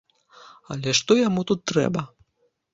Але што яму тут трэба?